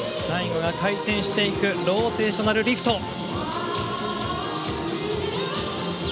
最後が回転していくローテーショナルリフト。